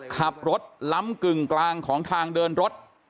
ขับรถล้ำกึ่งกลางของทางเดินรถ